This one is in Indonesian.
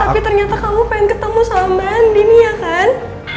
tapi ternyata kamu pengen ketemu sama andi nih ya kan